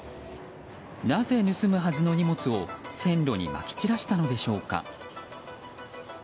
なぜ盗むはずの荷物を線路にまき散らしたのでしょうか。